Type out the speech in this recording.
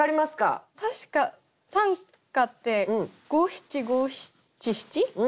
確か短歌って五七五七七？